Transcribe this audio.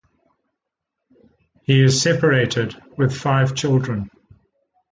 He is separated, with five children.